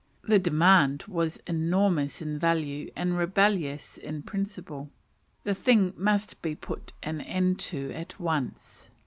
The demand was enormous in value and rebellious in principle. The thing must be put an end to at once.